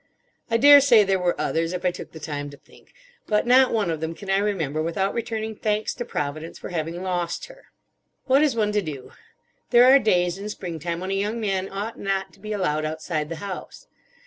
I daresay there were others, if I took the time to think; but not one of them can I remember without returning thanks to Providence for having lost her. What is one to do? There are days in springtime when a young man ought not to be allowed outside the house.